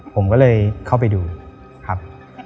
ผมก็เลยเข้าไปดูครับ